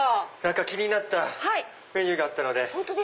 気になったメニューがあったので。